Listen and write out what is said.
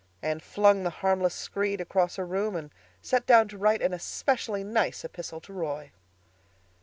Anne flung the harmless screed across her room and sat down to write an especially nice epistle to Roy.